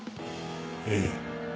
ええ。